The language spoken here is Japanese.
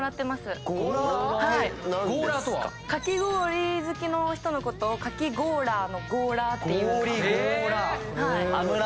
かき氷好きの人のことをカキゴーラーのゴーラーっていうんです。